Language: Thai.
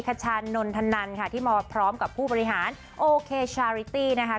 คชานนทนันค่ะที่มาพร้อมกับผู้บริหารโอเคชาริตี้นะคะ